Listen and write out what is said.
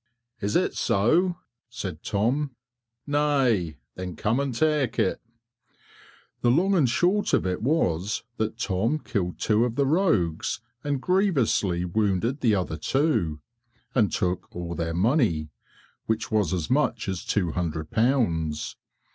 "Is it so?" said Tom, "nay, then come and take it." The long and the short of it was that Tom killed two of the rogues and grieviously wounded the other two, and took all their money, which was as much as two hundred pounds.